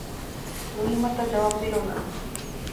রহিমা তার জবাব দিল না।